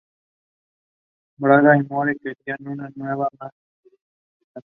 Braga y Moore querían una nave más robusta y militar.